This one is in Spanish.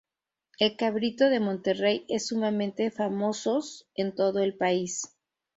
El Cabrito de Monterrey es sumamente famosos en todo el país..